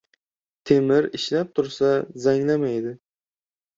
• Temir ishlab tursa, zanglamaydi.